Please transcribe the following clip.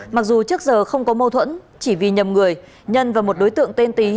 mặc dù trước giờ không có mâu thuẫn chỉ vì nhầm người nhân và một đối tượng tên tý